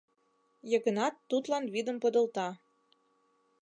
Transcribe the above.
— Йыгнат тудлан вӱдым подылта.